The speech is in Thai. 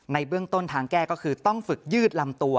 ในเบื้องต้นทางแก้ก็คือต้องฝึกยืดลำตัว